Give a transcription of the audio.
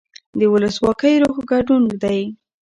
د ولسواکۍ روح ګډون دی